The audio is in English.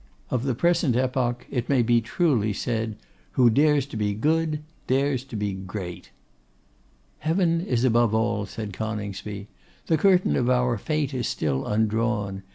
Of the present epoch it may be truly said, "Who dares to be good, dares to be great."' 'Heaven is above all,' said Coningsby. 'The curtain of our fate is still undrawn.